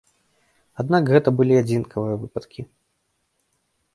Аднак гэта былі адзінкавыя выпадкі.